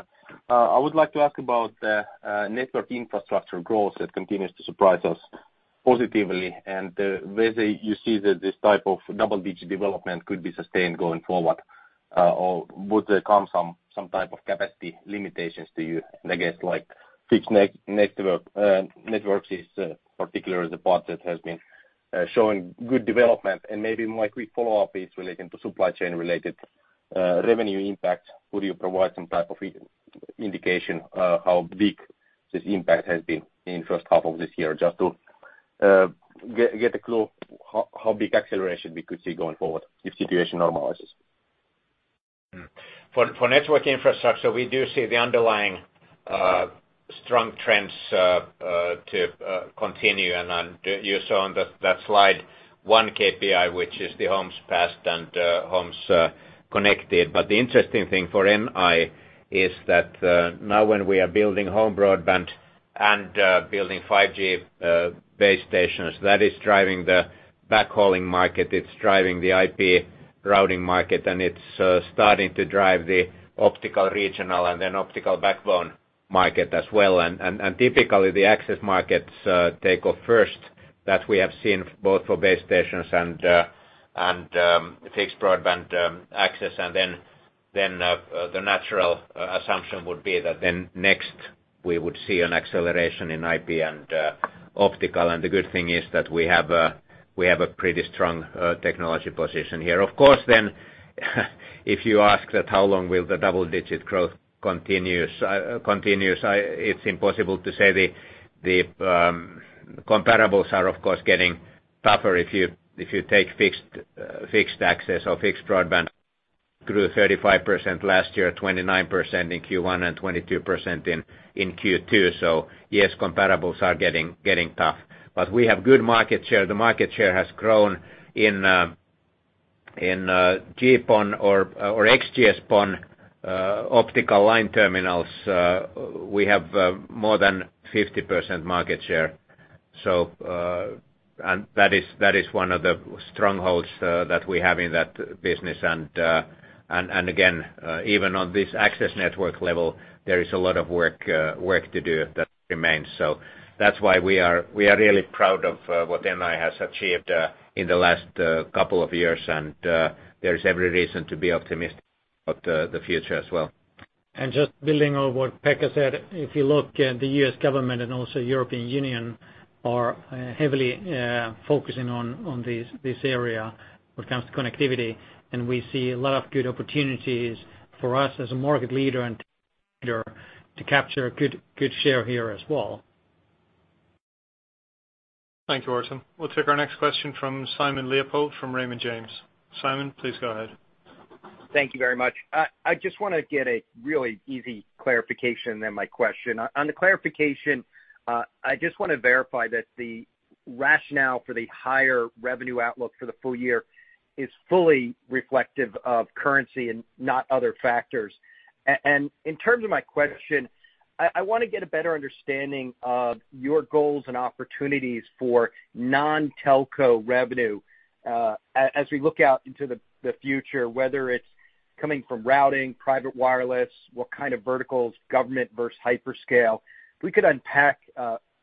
[SPEAKER 12] I would like to ask about the Network Infrastructure growth that continues to surprise us positively, and whether you see that this type of double-digit development could be sustained going forward, or would there come some type of capacity limitations to you? I guess, like, Fixed Networks is particularly the part that has been showing good development. Maybe my quick follow-up is relating to supply chain related revenue impact. Could you provide some type of indication how big this impact has been in first half of this year, just to get a clue how big acceleration we could see going forward if situation normalizes?
[SPEAKER 2] For network infrastructure, we do see the underlying strong trends to continue. You saw on that slide one KPI, which is the homes passed and homes connected. The interesting thing for NI is that now when we are building home broadband and building 5G base stations, that is driving the backhauling market, it's driving the IP routing market, and it's starting to drive the optical regional and then optical backbone market as well. Typically the access markets take off first. That we have seen both for base stations and fixed broadband access. The natural assumption would be that then next we would see an acceleration in IP and optical. The good thing is that we have a pretty strong technology position here. Of course, if you ask that, how long will the double-digit growth continue? It's impossible to say. The comparables are of course getting tougher. If you take fixed access or fixed broadband, it grew 35% last year, 29% in Q1, and 22% in Q2. Yes, comparables are getting tough. We have good market share. The market share has grown in GPON or XGS-PON optical line terminals. We have more than 50% market share. That is one of the strongholds that we have in that business. Again, even on this access network level, there is a lot of work to do that remains. That's why we are really proud of what NI has achieved in the last couple of years. There is every reason to be optimistic about the future as well.
[SPEAKER 3] Just building on what Pekka said, if you look at the U.S. government and also European Union are heavily focusing on this area when it comes to connectivity. We see a lot of good opportunities for us as a market leader to capture a good share here as well.
[SPEAKER 1] Thank you, Artem Beletski. We'll take our next question from Simon Leopold from Raymond James. Simon, please go ahead.
[SPEAKER 13] Thank you very much. I just wanna get a really easy clarification, then my question. On the clarification, I just wanna verify that the rationale for the higher revenue outlook for the full year is fully reflective of currency and not other factors. And in terms of my question, I wanna get a better understanding of your goals and opportunities for non-telco revenue, as we look out into the future, whether it's coming from routing, private wireless, what kind of verticals, government versus hyperscale. If we could unpack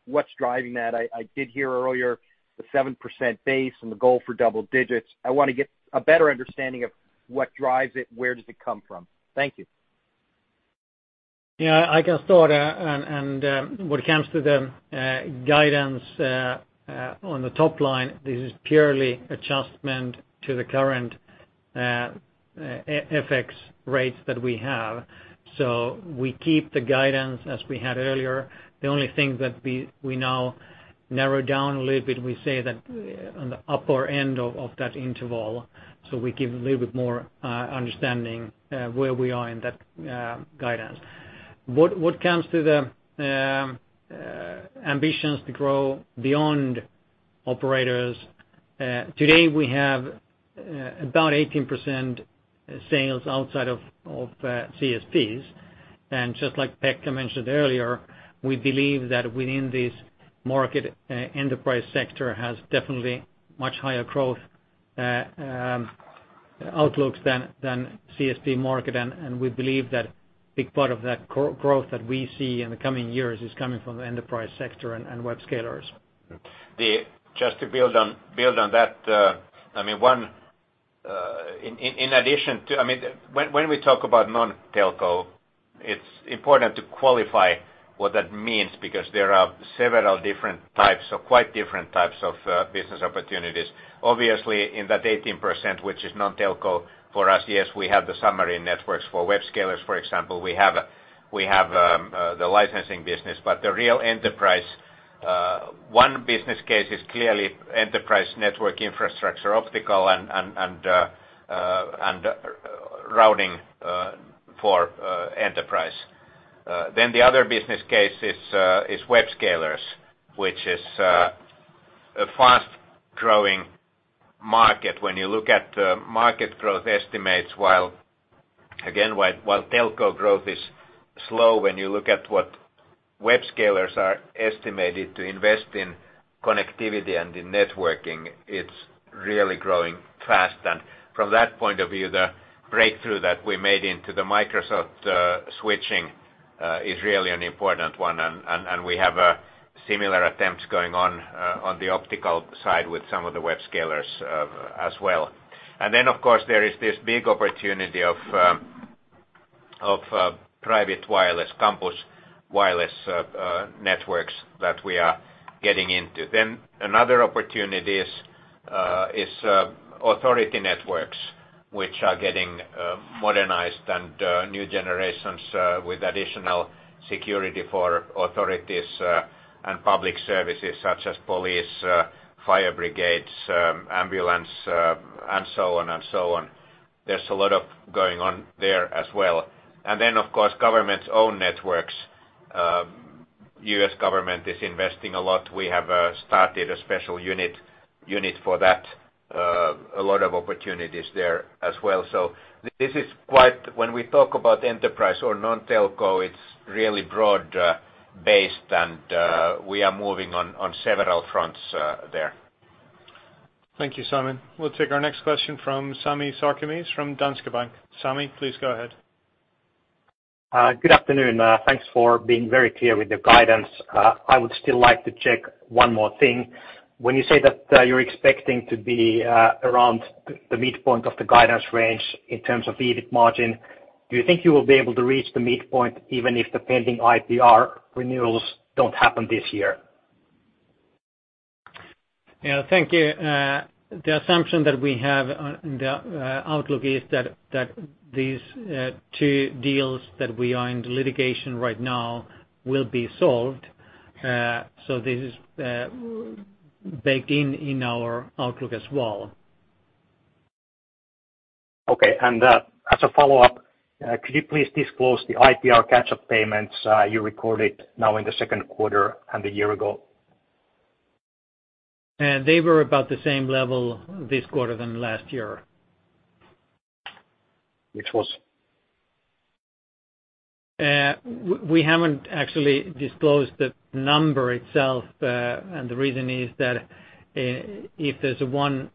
[SPEAKER 13] what's driving that. I did hear earlier the 7% base and the goal for double digits. I wanna get a better understanding of what drives it, where does it come from? Thank you.
[SPEAKER 3] Yeah, I can start. When it comes to the guidance on the top line, this is purely adjustment to the current FX rates that we have. We keep the guidance as we had earlier. The only thing that we now narrow down a little bit, we say that on the upper end of that interval, we give a little bit more understanding where we are in that guidance. What comes to the ambitions to grow beyond operators, today we have about 18% sales outside of CSPs. Just like Pekka mentioned earlier, we believe that within this market, enterprise sector has definitely much higher growth outlooks than CSP market. We believe that big part of that growth that we see in the coming years is coming from the enterprise sector and web scalers.
[SPEAKER 2] Just to build on that, I mean, in addition to. I mean, when we talk about non-telco, it's important to qualify what that means because there are several different types of business opportunities. Obviously, in that 18% which is non-telco for us, yes, we have the submarine networks. For web scalers, for example, we have the licensing business. But the real enterprise business case is clearly enterprise network infrastructure, optical and routing for enterprise. Then the other business case is web scalers, which is a fast-growing market. When you look at market growth estimates while again while telco growth is slow, when you look at what web scalers are estimated to invest in connectivity and in networking, it's really growing fast. From that point of view, the breakthrough that we made into the Microsoft switching is really an important one. We have similar attempts going on the optical side with some of the web scalers as well. Of course, there is this big opportunity of private wireless, campus wireless networks that we are getting into. Another opportunity is authority networks, which are getting modernized and new generations with additional security for authorities and public services, such as police, fire brigades, ambulance, and so on. There's a lot going on there as well. Of course, government's own networks. The U.S. government is investing a lot. We have started a special unit for that. A lot of opportunities there as well. This is quite broad when we talk about enterprise or non-telco. It's really broad-based, and we are moving on several fronts there.
[SPEAKER 1] Thank you, Simon. We'll take our next question from Sami Sarkamies from Danske Bank. Sami, please go ahead.
[SPEAKER 14] Good afternoon. Thanks for being very clear with the guidance. I would still like to check one more thing. When you say that you're expecting to be around the midpoint of the guidance range in terms of EBIT margin, do you think you will be able to reach the midpoint even if the pending IPR renewals don't happen this year?
[SPEAKER 3] Yeah. Thank you. The assumption that we have in the outlook is that these two deals that we are in litigation right now will be solved. This is baked in our outlook as well.
[SPEAKER 14] As a follow-up, could you please disclose the IPR catch-up payments you recorded in the second quarter and a year ago?
[SPEAKER 3] They were about the same level this quarter as last year.
[SPEAKER 14] Which was?
[SPEAKER 3] We haven't actually disclosed the number itself. The reason is that, if there's one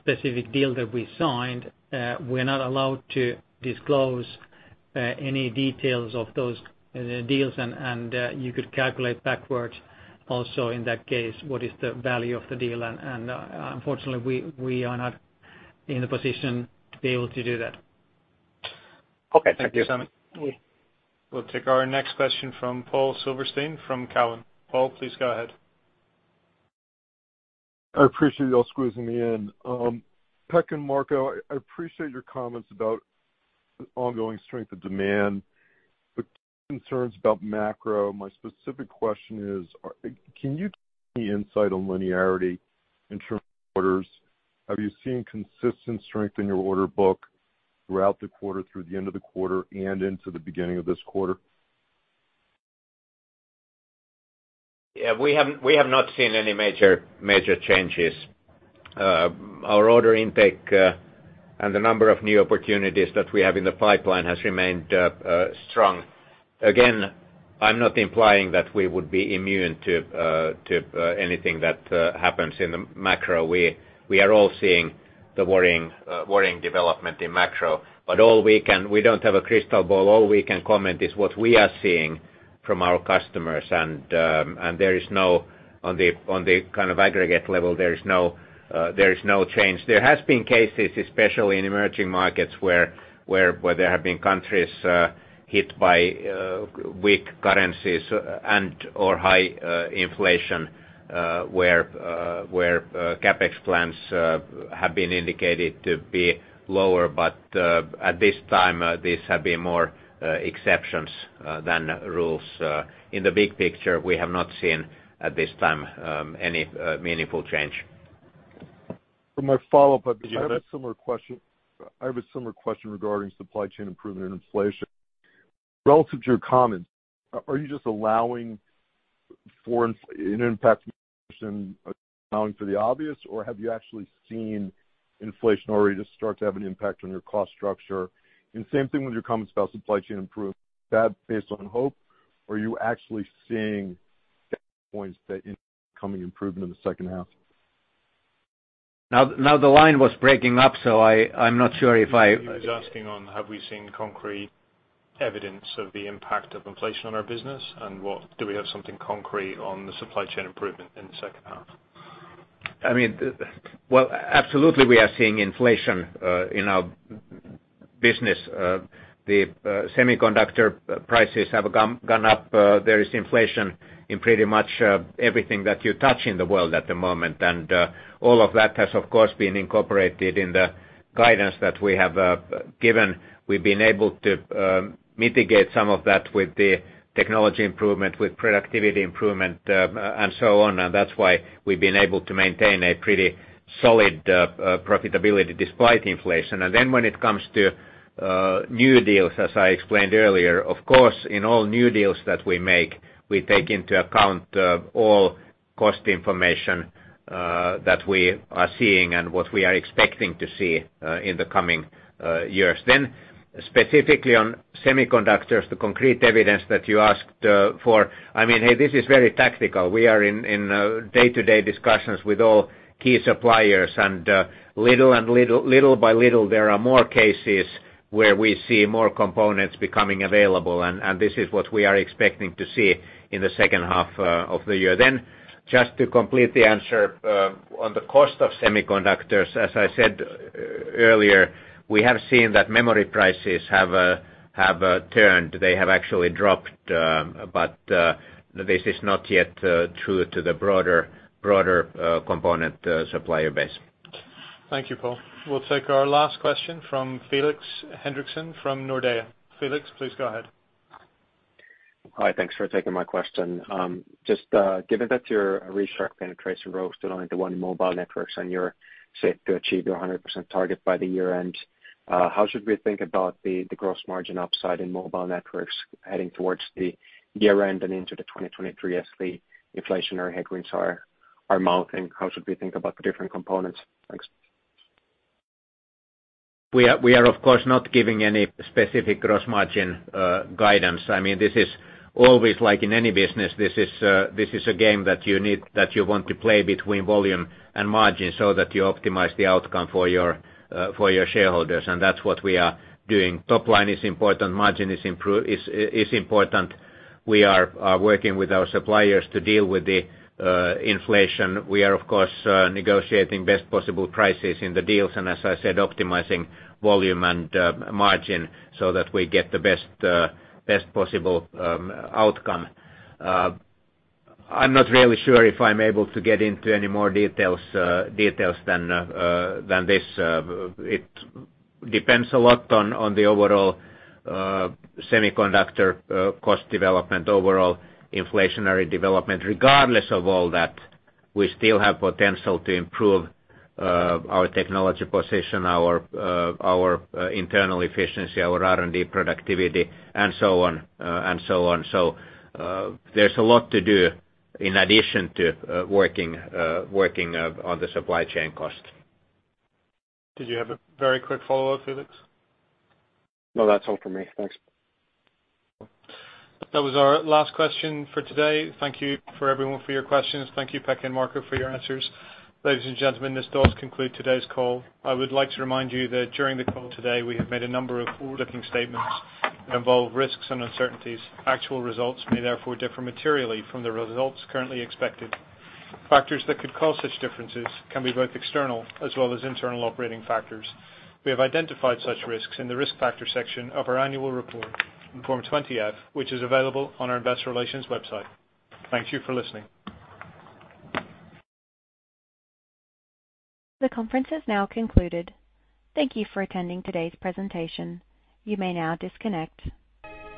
[SPEAKER 3] specific deal that we signed, we're not allowed to disclose any details of those deals. You could calculate backwards also in that case what is the value of the deal. Unfortunately, we are not in a position to be able to do that.
[SPEAKER 14] Okay. Thank you.
[SPEAKER 1] Thank you, Simon. We'll take our next question from Paul Silverstein from Cowen. Paul, please go ahead.
[SPEAKER 15] I appreciate y'all squeezing me in. Pekka Lundmark and Marco Wirén, I appreciate your comments about the ongoing strength of demand. Concerns about macro, my specific question is, can you give any insight on linearity in terms of orders? Have you seen consistent strength in your order book throughout the quarter, through the end of the quarter and into the begimning of this quarter?
[SPEAKER 2] Yeah. We have not seen any major changes. Our order intake and the number of new opportunities that we have in the pipeline has remained strong. Again, I'm not implying that we would be immune to anything that happens in the macro. We are all seeing the worrying development in macro, but we don't have a crystal ball. All we can comment is what we are seeing from our customers and on the kind of aggregate level, there is no change. There have been cases, especially in emerging markets, where there have been countries hit by weak currencies and/or high inflation, where CapEx plans have been indicated to be lower. At this time, these have been more exceptions than rules. In the big picture, we have not seen, at this time, any meaningful change.
[SPEAKER 15] For my follow-up, I have a similar question. I have a similar question regarding supply chain improvement and inflation. Relative to your comments, are you just allowing for an impact from inflation, allowing for the obvious, or have you actually seen inflation already just start to have an impact on your cost structure? And same thing with your comments about supply chain improvement. Is that based on hope, or are you actually seeing data points that indicate coming improvement in the second half?
[SPEAKER 2] Now the line was breaking up, so I'm not sure if I-
[SPEAKER 1] He was asking on have we seen concrete evidence of the impact of inflation on our business, and what do we have something concrete on the supply chain improvement in the second half?
[SPEAKER 2] I mean, well, absolutely we are seeing inflation in our business. The semiconductor prices have gone up. There is inflation in pretty much everything that you touch in the world at the moment. All of that has, of course, been incorporated in the guidance that we have given. We've been able to mitigate some of that with the technology improvement, with productivity improvement, and so on. That's why we've been able to maintain a pretty solid profitability despite inflation. Then when it comes to new deals, as I explained earlier, of course, in all new deals that we make, we take into account all cost information that we are seeing and what we are expecting to see in the coming years. Specifically on semiconductors, the concrete evidence that you asked for, I mean, this is very tactical. We are in day-to-day discussions with all key suppliers. Little by little, there are more cases where we see more components becoming available, and this is what we are expecting to see in the second half of the year. Just to complete the answer, on the cost of semiconductors. As I said earlier, we have seen that memory prices have turned. They have actually dropped, but this is not yet true to the broader component supplier base.
[SPEAKER 1] Thank you, Paul. We'll take our last question from Felix Henriksson from Nordea. Felix, please go ahead.
[SPEAKER 16] Hi. Thanks for taking my question. Just, given that your RAN share penetration growth is still only 1% in Mobile Networks and you're set to achieve your 100% target by year-end, how should we think about the gross margin upside in Mobile Networks heading towards year-end and into 2023 as the inflationary headwinds are mounting? How should we think about the different components? Thanks.
[SPEAKER 2] We are of course not giving any specific gross margin guidance. I mean, this is always like in any business. This is a game that you need, that you want to play between volume and margin so that you optimize the outcome for your shareholders, and that's what we are doing. Top line is important, margin is important. We are working with our suppliers to deal with the inflation. We are of course negotiating best possible prices in the deals and as I said, optimizing volume and margin so that we get the best possible outcome. I'm not really sure if I'm able to get into any more details than this. It depends a lot on the overall semiconductor cost development, overall inflationary development. Regardless of all that, we still have potential to improve our technology position, our internal efficiency, our R&D productivity, and so on, and so on. There's a lot to do in addition to working on the supply chain cost.
[SPEAKER 1] Did you have a very quick follow-up, Felix?
[SPEAKER 17] No, that's all for me. Thanks.
[SPEAKER 1] That was our last question for today. Thank you, everyone, for your questions. Thank you, Pekka and Marco, for your answers. Ladies and gentlemen, this does conclude today's call. I would like to remind you that during the call today, we have made a number of forward-looking statements that involve risks and uncertainties. Actual results may therefore differ materially from the results currently expected. Factors that could cause such differences can be both external as well as internal operating factors. We have identified such risks in the Risk Factors section of our annual report in Form 20-F, which is available on our investor relations website. Thank you for listening.
[SPEAKER 4] The conference has now concluded. Thank you for attending today's presentation. You may now disconnect.